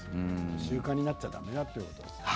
習慣になったらだめだということですね。